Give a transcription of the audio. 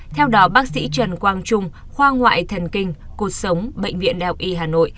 theo đó bác sĩ trần quang trung khoa ngoại thần kinh cuộc sống bệnh viện đạo y hà nội